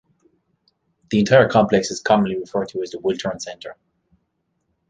The entire complex is commonly referred to as the Wiltern Center.